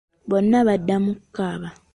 Bonna badda mu kukaaba.